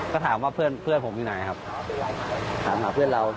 ก็ถามว่าเพื่อนเพื่อนผมอยู่ไหนครับถามหาเพื่อนเรา